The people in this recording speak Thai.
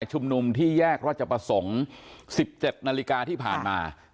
ชุมนุมที่แยกราชประสงค์๑๗นาฬิกาที่ผ่านมา